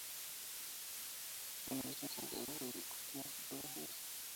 Una vez en Santiago, se dedicó a tomar fotografías.